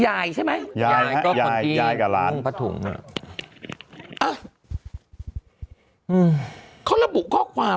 ยายใช่ไหมยายยายยายกับล้านพัดถุงอ่ะเขาระบุข้อความ